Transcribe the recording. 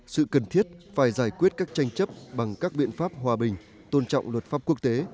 sự cần thiết phải giải quyết các tranh chấp bằng các biện pháp hòa bình tôn trọng luật pháp quốc tế